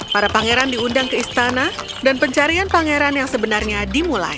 para pangeran diundang ke istana dan pencarian pangeran yang sebenarnya dimulai